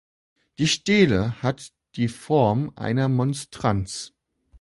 Die Stele hat die Form einer Monstranz.